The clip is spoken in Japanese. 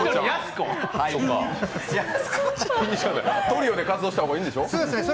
トリオで活動したほうがいいんでしょ？